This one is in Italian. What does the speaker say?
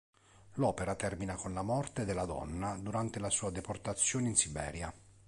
L'opera termina con la morte della donna durante la sua deportazione in Siberia.